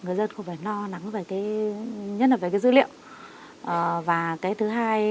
người dân không phải lo nắng với dữ liệu